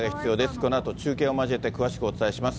このあと中継を交えて詳しくお伝えします。